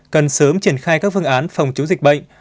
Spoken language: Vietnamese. cần sớm triển khai các phương án phòng chống dịch bệnh